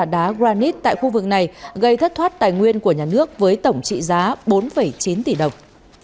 đá granite tại khu vực này gây thất thoát tài nguyên của nhà nước với tổng trị giá bốn chín tỷ đồng